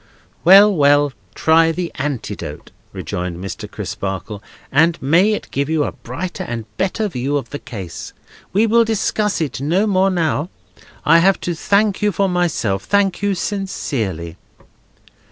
"Well, well. Try the antidote," rejoined Mr. Crisparkle; "and may it give you a brighter and better view of the case! We will discuss it no more now. I have to thank you for myself, thank you sincerely."